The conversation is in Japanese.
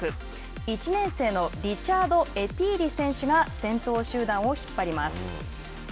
１年生のリチャード・エティーリ選手が先頭集団を引っ張ります。